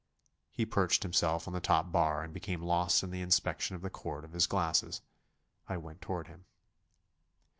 He perched himself on the top bar and became lost in the inspection of the cord of his glasses. I went toward him.